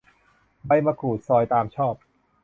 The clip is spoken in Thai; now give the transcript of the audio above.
ใบมะกรูดซอย ตามชอบ